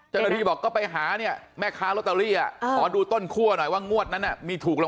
ฟรีบอกก็ไปหาเนี่ยแม่ค้าโร๊ตเตอรี่อ่ะออกดูต้นคั่วหน่อยว่างวงวดน่ะมีถูก